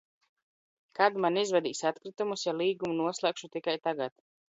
Kad man izvedīs atkritumus, ja līgumu noslēgšu tikai tagad?